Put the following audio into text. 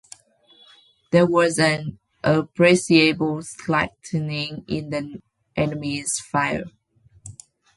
There was an appreciable slackening in the enemy's fire.